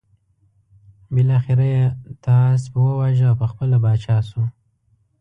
بالاخره یې طاهاسپ وواژه او پخپله پاچا شو.